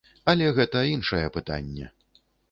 Але гэта іншае пытанне.